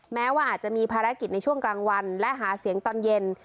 แม้ว่าอาจจะมีภารกิจในช่วงกลางวันและหาเสียงตอนเย็น